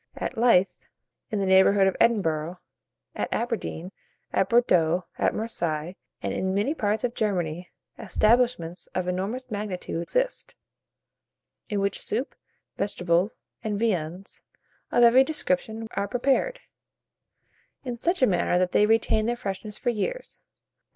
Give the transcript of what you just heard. At Leith, in the neighbourhood of Edinburgh, at Aberdeen, at Bordeaux, at Marseilles, and in many parts of Germany, establishments of enormous magnitude exist, in which soup, vegetables, and viands of every description are prepared, in such a manner that they retain their freshness for years.